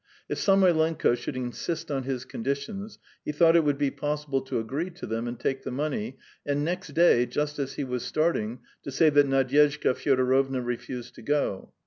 If Samoylenko should insist on his conditions, he thought it would be possible to agree to them and take the money, and next day, just as he was starting, to say that Nadyezhda Fyodorovna refused to go.